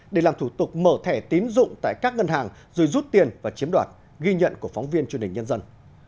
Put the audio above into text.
để làm thủ tục mở thẻ tín dụng tại các ngân hàng rồi rút tiền và chiếm đoạt ghi nhận của phóng viên truyền hình nhân dân